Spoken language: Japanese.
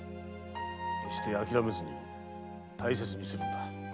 決してあきらめずに大切にするんだ。